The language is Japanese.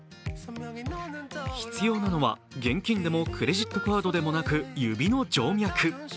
必要なのは、現金でもクレジットカードでもなく、指の静脈。